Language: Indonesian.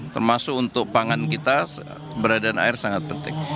termasuk untuk pangan kita keberadaan air sangat penting